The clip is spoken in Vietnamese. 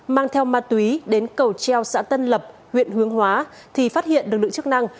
mang theo ma túy đến cầu treo xã tân lập huyện hướng hóa thì phát hiện lực lượng chức năng